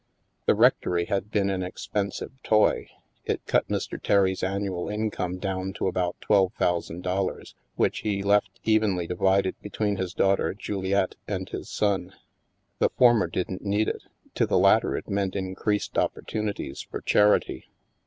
The rectory had been an expensive toy. It cut Mr. Terry's annual income down to about twelve thousand dollars, which he left evenly divided be tween his daughter, Juliette, and his son. The for mer didn't need it; to the latter it meant increased opportunities for charity.